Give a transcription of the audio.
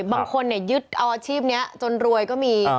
บางคนเนี่ยยึดเอาอาชีพเนี่ยจนรวยก็มี